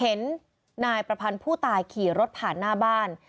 เห็นนายประพันธ์ผู้ตายขี่รถผ่านหน้าบ้าน